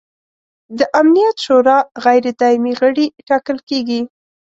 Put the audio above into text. د امنیت شورا غیر دایمي غړي ټاکل کیږي.